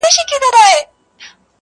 زورور هم تر چنګېز هم تر سکندر دی!.